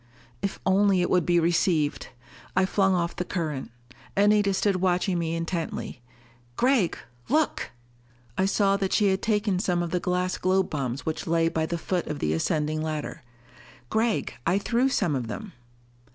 _ If only it would be received! I flung off the current. Anita stood watching me intently. "Gregg, look!" I saw that she had taken some of the glass globe bombs which lay by the foot of the ascending ladder. "Gregg, I threw some of them."